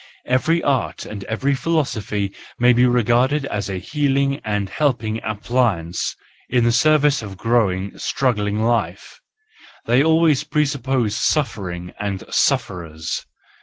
Every art and every philosophy may be regarded as a healing and helping appli¬ ance in the service of growing, struggling life: they always presuppose suffering and sufferers.